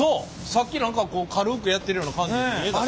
さっき何か軽くやってるような感じに見えたけど。